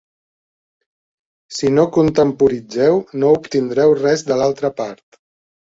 Si no contemporitzeu no obtindreu res de l'altra part.